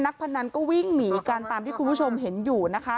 พนันก็วิ่งหนีกันตามที่คุณผู้ชมเห็นอยู่นะคะ